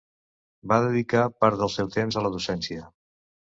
Va dedicar part del seu temps a la docència.